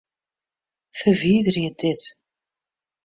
Ferwiderje dit.